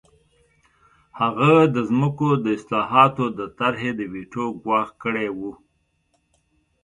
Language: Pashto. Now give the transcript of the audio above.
هغه د ځمکو د اصلاحاتو د طرحې د ویټو ګواښ کړی و